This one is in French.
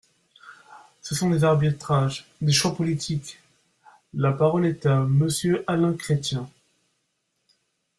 Ce sont des arbitrages, des choix politiques ! La parole est à Monsieur Alain Chrétien.